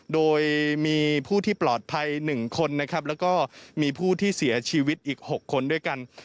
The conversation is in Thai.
โดยมีผู้ที่ปลอดภัย๑คนนะครับแล้วก็มีผู้ที่เสียชีวิตอีก๖คนด้วยกัน